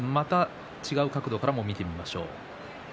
違う角度から見てみましょう。